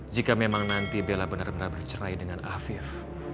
jika memang nanti bella benar benar bercerai dengan afif